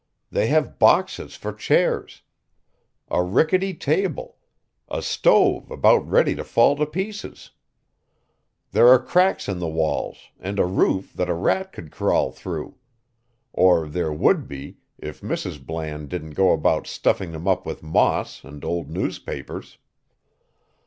They have boxes for chairs, a rickety table, a stove about ready to fall to pieces. There are cracks in the walls and a roof that a rat could crawl through or there would be if Mrs. Bland didn't go about stuffing them up with moss and old newspapers.